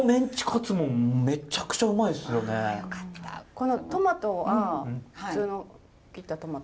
このトマトは普通の切ったトマト？